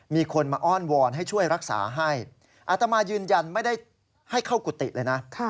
มีคนมาอ้อนวอนให้ช่วยรักษาให้อาตมายืนยันไม่ได้ให้เข้ากุฏิเลยนะ